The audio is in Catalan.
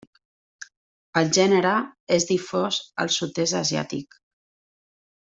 El gènere és difós al sud-est asiàtic.